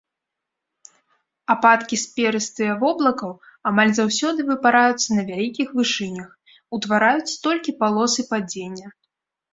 Ападкі з перыстыя воблакаў амаль заўсёды выпараюцца на вялікіх вышынях, утвараюць толькі палосы падзення.